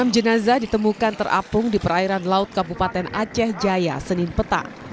enam jenazah ditemukan terapung di perairan laut kabupaten aceh jaya senin petang